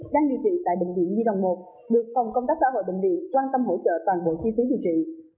đang điều trị tại bệnh viện nhi đồng một được phòng công tác xã hội bệnh viện quan tâm hỗ trợ toàn bộ chi phí điều trị